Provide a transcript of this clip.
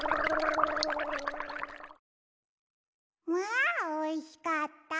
あおいしかった。